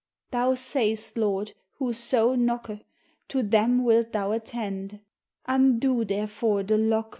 Thou sayst, Lord, whoso knocke, To them wilt thou attende; Undo, therefore, the locke.